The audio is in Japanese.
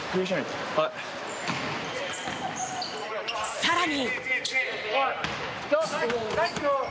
さらに。